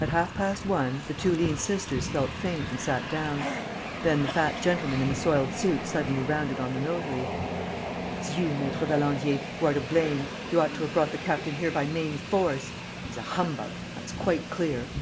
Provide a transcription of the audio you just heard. At half past one, the two lean sisters felt faint and sat down. Then the fat gentleman in the soiled suit suddenly rounded on the notary: "It's you, Maître Valandier, who are to blame.... You ought to have brought the captain here by main force.... He's a humbug, that's quite clear."